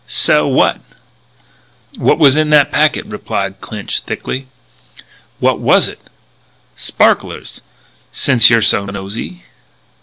"Sell what?" "What was in that packet," replied Clinch thickly. "What was in it?" "Sparklers since you're so nosey."